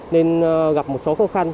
nên gặp một số khó khăn